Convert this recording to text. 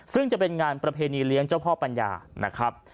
ซึ่งจะเป็นงานประเพณีเลี้ยงเจ้าพ่อปัญญานะครับ